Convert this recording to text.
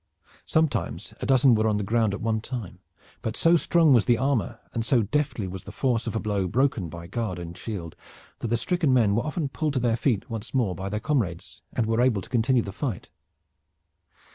Sometimes a dozen were on the ground at one time, but so strong was the armor, and so deftly was the force of a blow broken by guard and shield, that the stricken men were often pulled to their feet once more by their comrades, and were able to continue the fight.